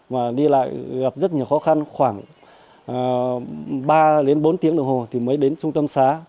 và đi lại gặp rất nhiều khó khăn khoảng ba đến bốn tiếng đồng hồ thì mới đến trung tâm xá